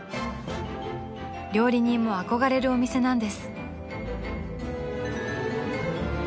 ［料理人も憧れるお店なんです］